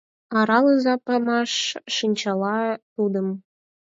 Аралыза памаш шинчала тудым.